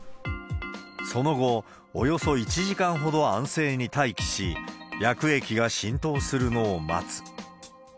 その後、およそ１時間ほど安静に待機し、薬液が浸透するのを待つ。